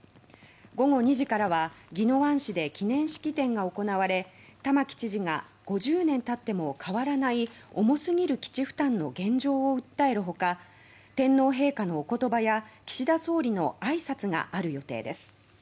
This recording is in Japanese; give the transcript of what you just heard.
午後２時からは宜野湾市で記念式典が行われ玉城知事が５０年経っても変わらない重すぎる基地負担の現状を訴えるほか天皇陛下のおことばや岸田総理のあいさつがある予定です。